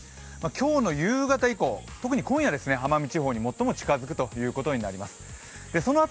今日の夕方以降、特に今夜奄美地方に最も近づくことになりそうです。